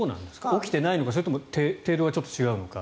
起きていないのかそれとも程度がちょっと違うのか。